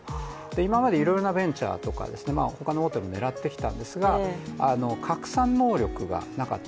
今までいろいろなベンチャーだとかほかの大手も狙ってきたんですが、拡散能力がなかった。